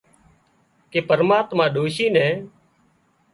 ڪي پرماتما ڏوشي نين